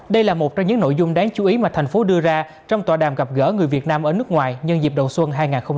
đây là một trong những nội dung đáng chú ý mà thành phố đưa ra trong tòa đàm gặp gỡ người việt nam ở nước ngoài nhân dịp đầu xuân hai nghìn hai mươi bốn